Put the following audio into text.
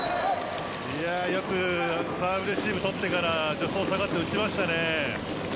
よくサーブレシーブ取ってから助走下がって打ちましたね。